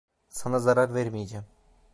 Sana zarar vermeyeceğim.